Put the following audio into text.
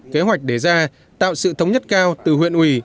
kế hoạch đề ra tạo sự thống nhất cao từ huyện ủy